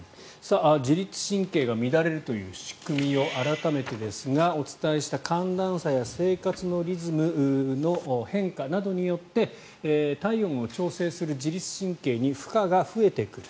自律神経が乱れるという仕組みを改めてですが、お伝えした寒暖差や生活のリズムの変化などによって体温を調整する自律神経に負荷が増えてくる。